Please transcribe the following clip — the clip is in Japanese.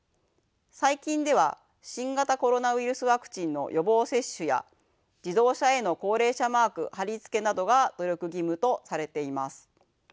最近では新型コロナウイルスワクチンの予防接種や自動車への高齢者マーク貼り付けなどが努力義務とされています。